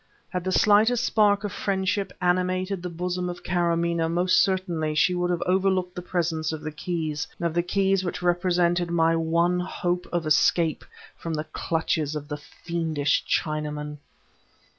Had the slightest spark of friendship animated the bosom of Karamaneh most certainly she would have overlooked the presence of the keys of the keys which represented my one hope of escape from the clutches of the fiendish Chinaman.